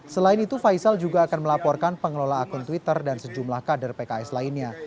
selain itu faisal juga akan melaporkan pengelola akun twitter dan sejumlah kader pks lainnya